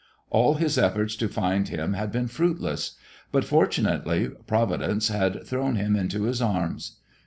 All his efforts to find him had been fruitless; but fortunately Providence had thrown him into his arms.